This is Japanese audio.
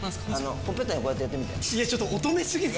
ほっぺたにこうやってやっていや、ちょっと乙女すぎません？